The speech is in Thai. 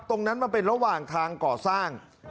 มันเป็นระหว่างทางก่อสร้าง